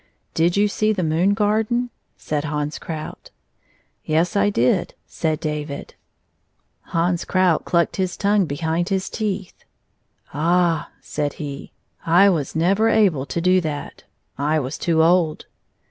" Did you see the moon garden 1 " said Hans Krout. " Yes ; I did," said David. 172 Hans Krout clucked his tongue behind his teeth. " Ah," said he, " I was never able to do that. I was too old."